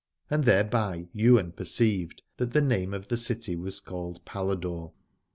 And .84 Aladore thereby Ywain perceived that the name of the city was called Paladore.